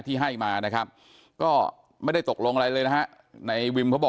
ที่ให้มานะครับ